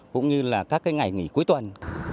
cũng như là các ngày nghỉ cuối tuần